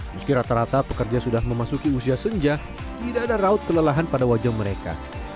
meski rata rata pekerja sudah memasuki usia senja tidak ada raut kelelahan pada wajah mereka